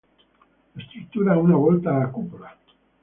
La struttura ha una volta a cupola.